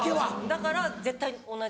だから絶対同じ。